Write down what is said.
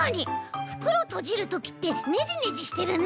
ふくろとじるときってねじねじしてるね。